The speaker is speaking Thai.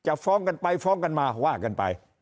ฟ้องกันไปฟ้องกันมาว่ากันไป